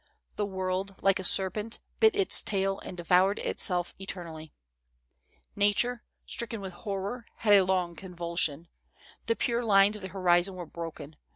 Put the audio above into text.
The world, like ^ serpent, bit its tail and devoured itself eternally. 286 THE soldiers' DREAMS. " Nature, stricken with horror, had a long convulsion. The pure lines of the horizon were broken.